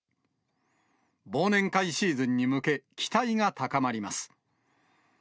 忘年会シーズンに向け、期待が高まります。